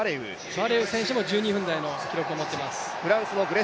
バレウ選手も１２秒台の記録を持ってます。